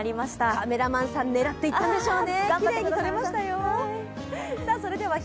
カメラマンさん、狙っていったんでしょうね。